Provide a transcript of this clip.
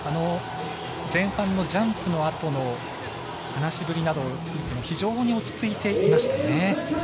前半のジャンプのあとの話しぶりなどを聞いても非常に落ち着いていましたね。